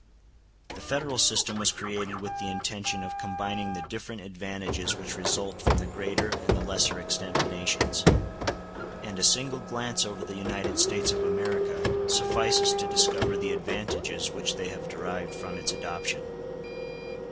The Federal system was created with the intention of combining the different advantages which result from the greater and the lesser extent of nations; and a single glance over the United States of America suffices to discover the advantages which they have derived from its adoption.